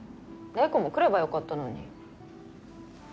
玲子も来ればよかったのに。